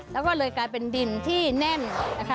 แล้วก็เลยกลายเป็นดินที่แน่นนะคะ